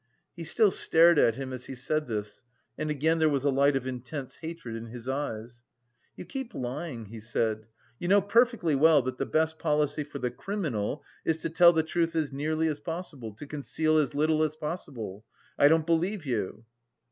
He still stared at him as he said this and again there was a light of intense hatred in his eyes. "You keep lying," he said. "You know perfectly well that the best policy for the criminal is to tell the truth as nearly as possible... to conceal as little as possible. I don't believe you!"